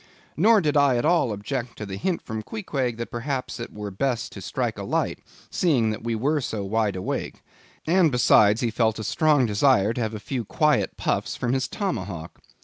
Nor did I at all object to the hint from Queequeg that perhaps it were best to strike a light, seeing that we were so wide awake; and besides he felt a strong desire to have a few quiet puffs from his Tomahawk.